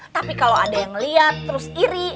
tapi kalau ada yang melihat terus iri